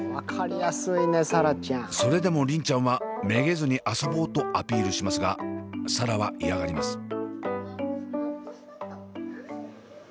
それでも梨鈴ちゃんはめげずに遊ぼうとアピールしますが紗蘭は嫌がります。